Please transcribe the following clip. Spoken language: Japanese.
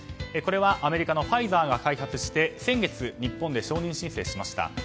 これはアメリカのファイザーが開発して先月、日本で承認申請しました。